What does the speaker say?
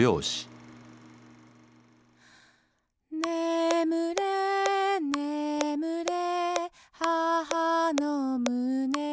「ねむれねむれ母のむねに」